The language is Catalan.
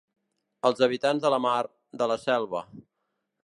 Els habitants de la mar, de la selva.